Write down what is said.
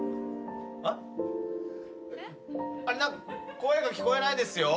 声が聞こえないですよ？